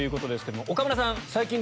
岡村さん。